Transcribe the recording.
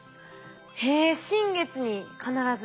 へえ新月に必ず？